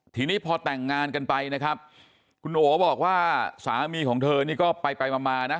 ทีนี้พอแต่งงานกันไปนะครับคุณโอบอกว่าสามีของเธอนี่ก็ไปไปมามานะ